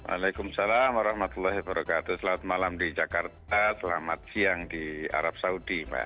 assalamualaikum selamat malam di jakarta selamat siang di arab saudi